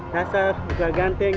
dasar juga ganteng